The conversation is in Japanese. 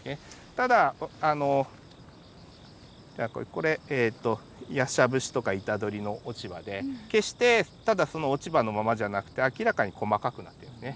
ただあのこれヤシャブシとかイタドリの落ち葉で決してただその落ち葉のままじゃなくて明らかに細かくなってるんですね。